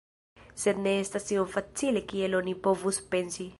Sed ne estas tiom facile kiel oni povus pensi.